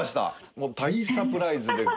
もう大サプライズで。